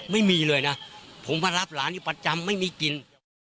ไม่มีเลยนะผมมารับหลานอยู่ประจำไม่มีกิน